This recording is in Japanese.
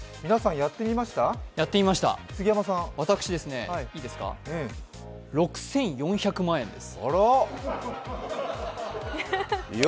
やってみました、私、６４００万円です。